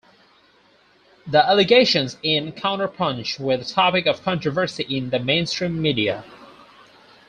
The allegations in "CounterPunch" were the topic of controversy in the mainstream media.